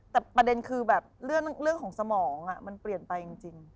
แต่ประเด็นคือแบบเรื่องของสมองมันเปลี่ยนไปจริง